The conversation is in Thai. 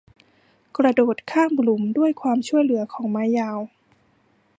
กระโดดข้ามหลุมด้วยความช่วยเหลือของไม้ยาว